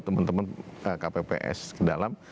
teman teman kpps ke dalam